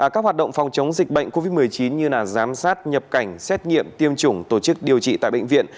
các hoạt động phòng chống dịch bệnh covid một mươi chín như giám sát nhập cảnh xét nghiệm tiêm chủng tổ chức điều trị tại bệnh viện